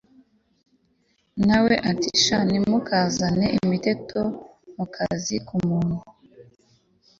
nawe ati sha ntimukazane imiteto mukazi kumuntu